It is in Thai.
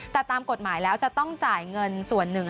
แต่ตามกฎหมายแล้วจะต้องจ่ายเงินส่วนหนึ่ง